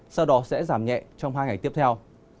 sau đó sẽ giảm nhẹ trong hai ngày tiếp theo